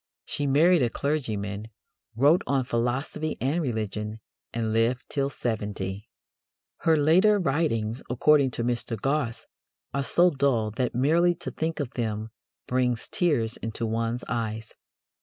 She married a clergyman, wrote on philosophy and religion, and lived till seventy. Her later writings, according to Mr. Gosse, "are so dull that merely to think of them brings tears into one's eyes."